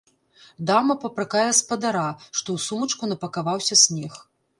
Дама папракае спадара, што ў сумачку напакаваўся снег.